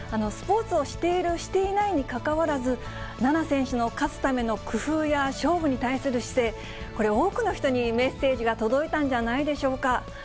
スポーツをしているしていないにかかわらず、菜那選手の勝つための工夫や、勝負に対する姿勢、これ、多くの人にメッセージが届いたんじゃないでしょうか。